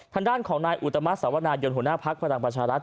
ทางด้านของนายอุตมัติสวรรค์ยนต์หัวหน้าภักดิ์ฝรั่งประชารัฐ